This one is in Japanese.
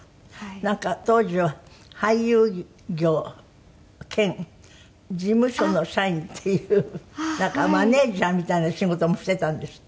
なんか当時は俳優業兼事務所の社員っていうなんかマネジャーみたいな仕事もしていたんですって？